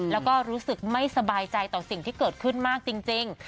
แล้วก็รู้สึกไม่สบายใจต่อสิ่งที่เกิดขึ้นมากจริง